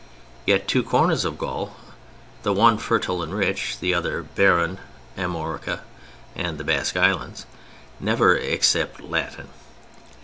Yet two corners of Gaul, the one fertile and rich, the other barren, Amorica and the Basque lands, never accept Latin.